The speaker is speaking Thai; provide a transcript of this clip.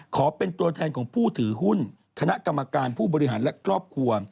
ขอเป็นตัวแทนของผู้ถือหุ้นคณะกรรมการผู้บริหารและครอบครัว